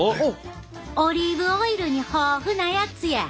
オリーブオイルに豊富なやつや。